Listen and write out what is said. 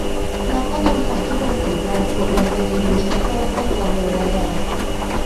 แล้วก็นำฝั่งที่เป็นขนแปรงกดลงไปในรูชักโครกด้วยความเร็วและแรง